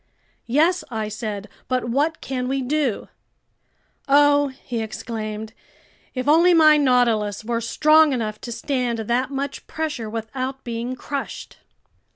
"Yes!" I said. "But what can we do?" "Oh," he exclaimed, "if only my Nautilus were strong enough to stand that much pressure without being crushed!"